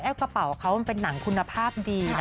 แอบกระเป๋าไว้เค้ามันเป็นหนังคุณภาพดีนะ